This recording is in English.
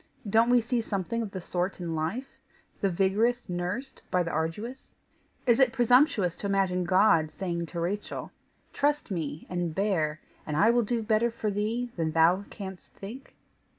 Don't we see something of the sort in life the vigorous nursed by the arduous? Is it presumptuous to imagine God saying to Rachel: 'Trust me, and bear, and I will do better for thee than thou canst think?